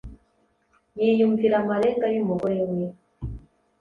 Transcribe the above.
yiyumvira amarenga y'umugore we,